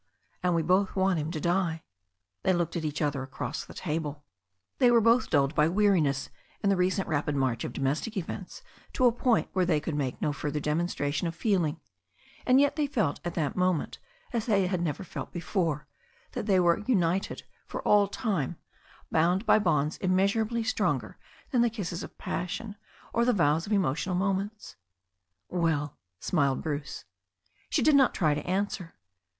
And we both want him to die." They looked at each other across the table. They were THE STORY OF A NEW ZEALAND RIVER 213 both dulled by weariness and the recent rapid march of domestic events to a point where they could make no fur ther demonstration of feeling, and yet they felt at that moment, as they had never felt before, that they were unhed for all time, bound by bonds immeasurably stronger than the kisses of passion, or the vows of emotional mo * ments. "Well," smiled Bruce. She did not try to answer.